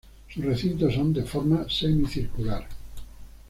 Sus recintos son de forma semicircular.